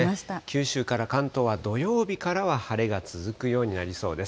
九州から関東は土曜日からは晴れが続くようになりそうです。